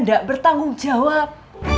gak bertanggung jawab